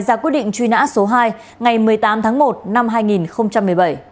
ra quyết định truy nã số hai ngày một mươi tám tháng một năm hai nghìn một mươi bảy